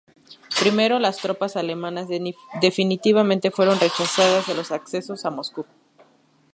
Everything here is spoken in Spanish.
Primero, las tropas alemanas definitivamente fueron rechazadas de los accesos a Moscú.